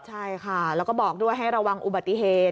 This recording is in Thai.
ใช่ค่ะแล้วก็บอกด้วยให้ระวังอุบัติเหตุ